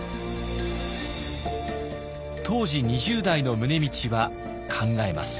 当時２０代の宗理は考えます。